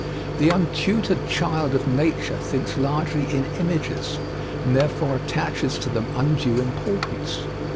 The untutored child of nature thinks largely in images and therefore attaches to them undue importance.